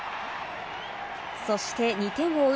そして２点を追う